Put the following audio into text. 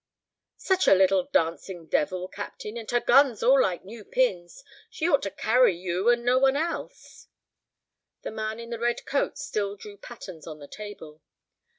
"Such a little dancing devil, captain, and her guns all like new pins. She ought to carry you, and no one else." The man in the red coat still drew patterns on the table.